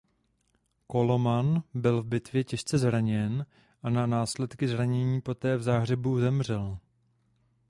Koloman byl v bitvě těžce zraněn a na následky zranění poté v Záhřebu zemřel.